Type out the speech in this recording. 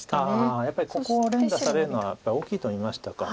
やっぱりここを連打されるのは大きいと見ましたか。